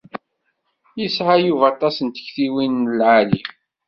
Yesɛa Yuba aṭas n tektiwin n lɛali.